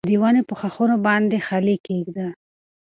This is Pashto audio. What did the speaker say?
د ونې په ښاخونو باندې خلی کېږده.